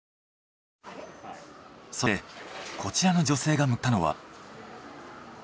そしてこちらの女性が向かったのは。